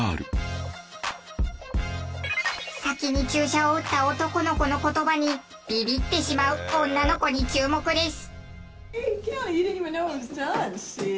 先に注射を打った男の子の言葉にビビってしまう女の子に注目です。